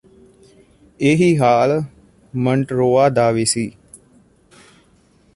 ਇਹੀ ਹਾਲ ਮੰਟਰੋਾ ਦਾ ਵੀ ਸੀ